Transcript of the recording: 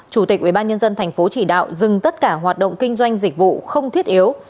chủ tịch ubnd tp chỉ đạo dừng tất cả hoạt động kinh doanh dịch vụ không thiết yếu